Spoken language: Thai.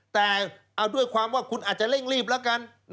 แต่เอาด้วยความว่าคุณอาจจะเร่งรีบแล้วกัน